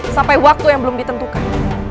sampai waktu yang belum ditentukan